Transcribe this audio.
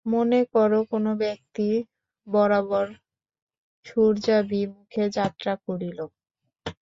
মনে কর, কোন ব্যক্তি বরাবর সূর্যাভিমুখে যাত্রা করিল।